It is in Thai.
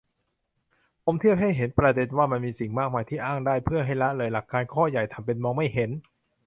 ผมเทียบให้เห็นประเด็นว่า มันมีสิ่งมากมายที่อ้างได้ เพื่อให้ละเลยหลักการข้อใหญ่ ทำเป็นมองไม่เห็น